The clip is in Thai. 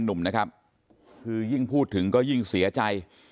หนุ่มนะครับคือยิ่งพูดถึงก็ยิ่งเสียใจ